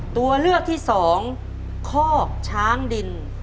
ตัวเลือกที่สองคอกช้างดิน